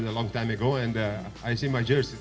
saya pulang lama lalu dan saya melihat gairah saya